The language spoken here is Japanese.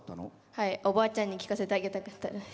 はい、おばあちゃんに聴かせてあげたかったです。